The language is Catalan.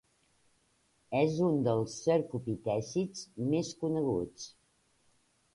És un dels cercopitècids més coneguts.